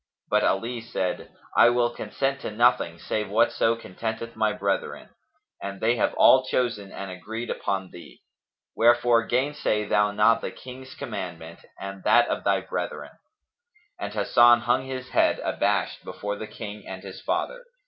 But Ali said, "I will consent to nothing save whatso contenteth my brethren; and they have all chosen and agreed upon thee; wherefore gainsay thou not the King's commandment and that of thy brethren." And Hasan hung his head abashed before the King and his father.